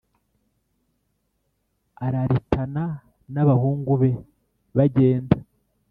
araritana n’abahungu be bagenda